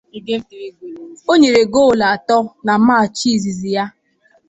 Ọ nyere goolu atọ na matchị izizi ya.